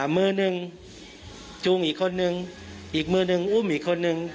มือหนึ่งจูงอีกคนนึงอีกมือหนึ่งอุ้มอีกคนนึง